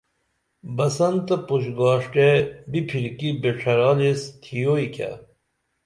بسن تہ پُش گاݜٹے بِپھرکی بِڇھرال ایس تھیوئی کیہ